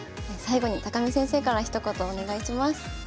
最後に見先生からひと言お願いします。